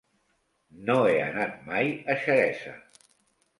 No he anat mai a Xeresa.